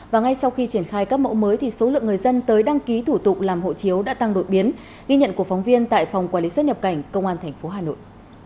hôm nay số lượng người dân tới đăng ký thủ tục làm hộ chiếu đã tăng đột biến ghi nhận của phóng viên tại phòng quản lý xuất nhập cảnh công an tp hà nội